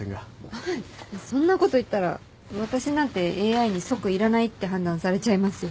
そんなこと言ったら私なんてＡＩに即いらないって判断されちゃいますよ。